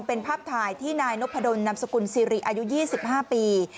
เป็นภาพถ่ายที่นายนพดลนำสกุลซีรีอายุ๒๕ปี